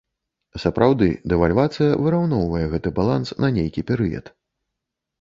Сапраўды, дэвальвацыя выраўноўвае гэты баланс на нейкі перыяд.